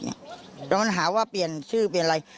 โดนหาว่าเปลี่ยนชื่อเปลี่ยนอะไร